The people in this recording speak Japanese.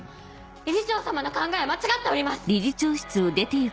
理事長様の考えは間違っております！